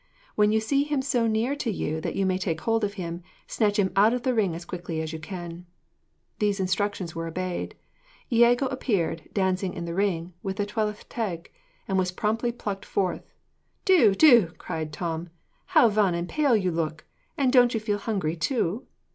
When you see him so near to you that you may take hold of him, snatch him out of the ring as quickly as you can.' These instructions were obeyed. Iago appeared, dancing in the ring with the Tylwyth Teg, and was promptly plucked forth. 'Duw! Duw!' cried Tom, 'how wan and pale you look! And don't you feel hungry too?'